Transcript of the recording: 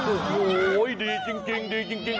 โอ้โฮดีจริง